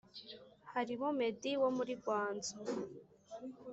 harimo medi wo muri gwanzu